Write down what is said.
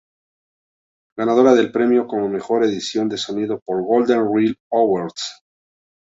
Ganadora del premio como mejor edición de sonido por Golden Reel Awards.